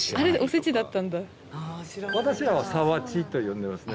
私らはさわちと呼んでますね。